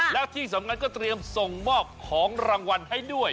แล้วที่สำคัญก็เตรียมส่งมอบของรางวัลให้ด้วย